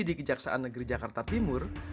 di kejaksaan negeri jakarta timur